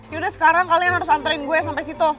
yaudah sekarang kalian harus anterin gue sampe situ